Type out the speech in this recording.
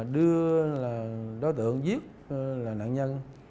đưa đối tượng giết là nạn nhân